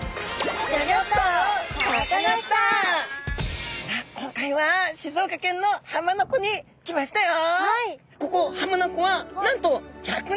さあ今回は静岡県の浜名湖に来ましたよ！